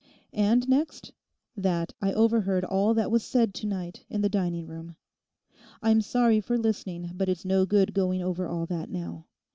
And next: that I overheard all that was said to night in the dining room. 'I'm sorry for listening; but it's no good going over all that now.